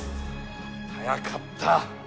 早かった！